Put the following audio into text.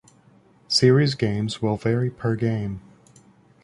Series games will vary per game.